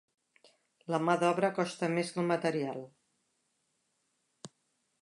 La mà d'obra costa més que el material.